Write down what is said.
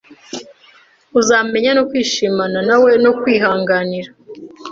uzamenya no kwishimana nawe no kwihanganira